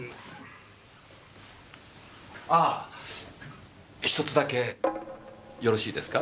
あっ１つだけよろしいですか？